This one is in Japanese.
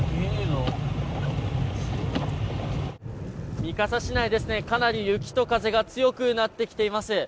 三笠市内、かなり雪と風が強くなってきています。